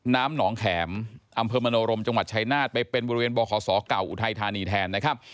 น้ำหนองแข็มอำเภอมโนรมจังหวัดชายนาฏไปเป็นบริเวณบขศเก่าอุทัยธานีแทนนะครับ